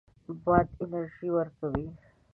باد انرژي ورکوي.